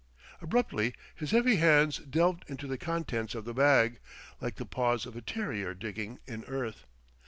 Abruptly his heavy hands delved into the contents of the bag, like the paws of a terrier digging in earth.